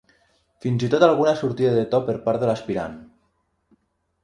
fins i tot alguna sortida de to per part de l'aspirant